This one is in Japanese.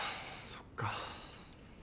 そっか。